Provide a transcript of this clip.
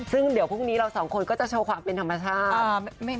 ซึ่งเดี๋ยวพรุ่งนี้เราสองคนก็จะโชว์ความเป็นธรรมชาติ